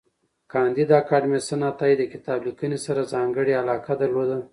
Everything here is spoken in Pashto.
کانديد اکاډميسن عطایي د کتاب لیکنې سره ځانګړی علاقه درلوده.